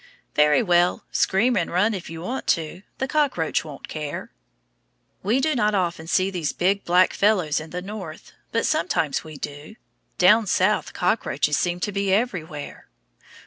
Very well, scream and run if you want to; the cockroach won't care. We do not often see these big black fellows in the North, but sometimes we do. Down South cockroaches seem to be everywhere.